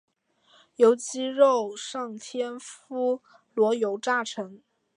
由鸡肉上天妇罗油炸而成。